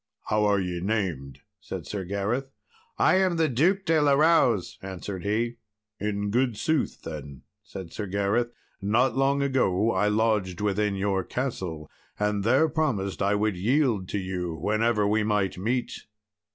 "How are ye named?" said Sir Gareth. "I am the Duke de la Rowse," answered he. "In good sooth," then said Sir Gareth, "not long ago I lodged within your castle, and there promised I would yield to you whenever we might meet."